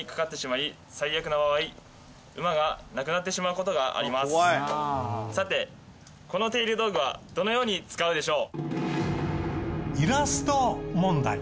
この道具はさてこの手入れ道具はどのように使うでしょう？